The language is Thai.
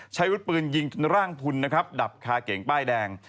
วุฒิปืนยิงร่างพุนนะครับดับคาเก่งป้ายแดง